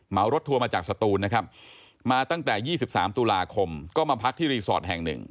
รถทัวร์มาจากสตูนนะครับมาตั้งแต่๒๓ตุลาคมก็มาพักที่รีสอร์ทแห่ง๑